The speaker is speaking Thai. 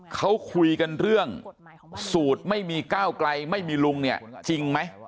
เขาคุยกันเรื่องสูตรไม่มีก้าวไกลไม่มีลุงเนี่ยจริงไหม